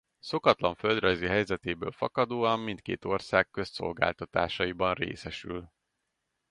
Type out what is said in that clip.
Szokatlan földrajzi helyzetéből fakadóan mindkét ország közszolgáltatásaiban részesül.